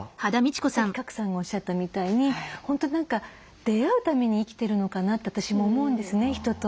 さっき賀来さんがおっしゃったみたいに本当何か出会うために生きてるのかなと私も思うんですね人と。